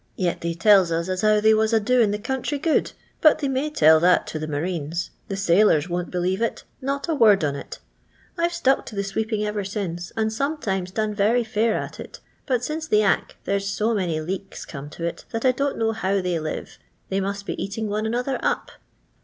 Yet they tells us as how they waa a doia* the country good ; but they may tell that to the marinas — the sailors won't believe it — ^not a word on it I 've stuck to the sweeping ever since, and sometimes done very £ur at it ; but ainca the Ack there 's so many leeks come to it ■ that I don't know how they live — they must be eatin' one another up.